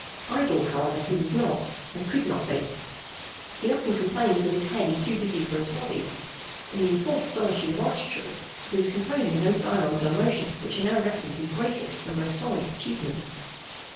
Idle, however, he was not and could not be. He often complains that his head is too busy for his body. In the enforced solitude of Arcetri he was composing those dialogues on motion which are now reckoned his greatest and most solid achievement.